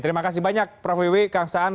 terima kasih banyak prof wiwi kang saan